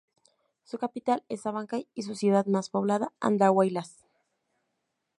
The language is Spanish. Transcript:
Su capital es Abancay y su ciudad más poblada, Andahuaylas.